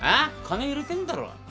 金入れてんだろ。